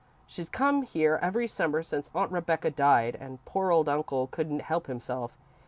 She's come here every Summer since Aunt Rebecca died, and poor old uncle couldn't help himself.